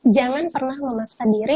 jangan pernah memaksa diri